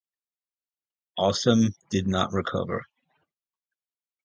Aussem did not recover.